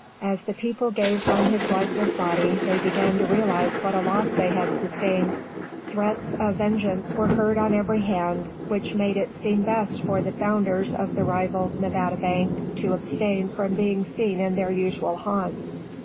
As the people gazed on his lifeless body they began to realize what a loss they had sustained. Threats of vengeance were heard on every hand, which made it seem best for the founders of the rival Nevada Bank to abstain from being seen in their usual haunts.